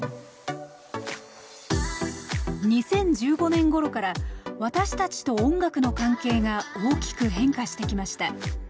２０１５年ごろから私たちと音楽の関係が大きく変化してきました。